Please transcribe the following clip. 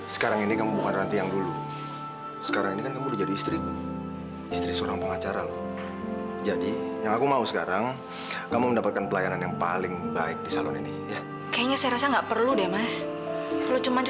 sampai jumpa di video selanjutnya